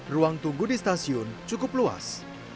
ruang tunggu di stasiun cukup luas